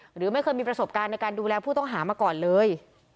หรือไม่เคยมีประสบการณ์ในการดูแลผู้ต้องหามาก่อนเลย